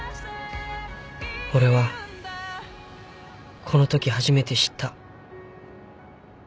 ［俺はこのとき初めて知った］